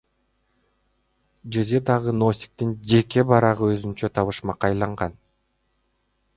ЖЖдагы Носиктин жеке барагы өзүнчө табышмакка айланган.